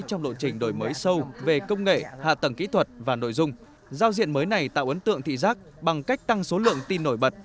trong lộ trình đổi mới sâu về công nghệ hạ tầng kỹ thuật và nội dung giao diện mới này tạo ấn tượng thị giác bằng cách tăng số lượng tin nổi bật